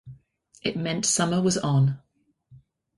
It meant summer was on!